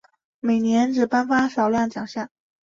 而每年只颁发少量奖项。